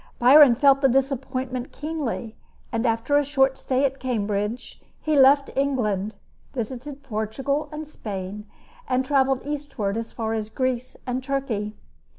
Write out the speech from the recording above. Byron felt the disappointment keenly; and after a short stay at Cambridge, he left England, visited Portugal and Spain, and traveled eastward as far as Greece and Turkey.